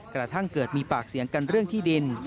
กระทั่งเกิดมีปากเสียงกันเรื่องที่ดิน